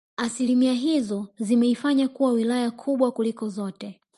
Asilimia hizo zimeifanya kuwa Wilaya kubwa kuliko zote